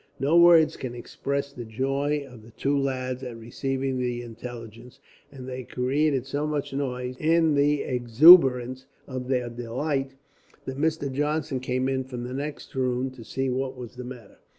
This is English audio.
No words can express the joy of the two lads, at receiving the intelligence, and they created so much noise, in the exuberance of their delight, that Mr. Johnson came in from the next room to see what was the matter.